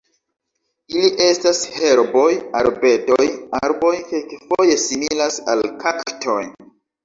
Ili estas herboj, arbedoj, arboj, kelkfoje similas al kaktoj.